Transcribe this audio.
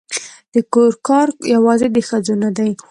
د کور کار یوازې د ښځو نه دی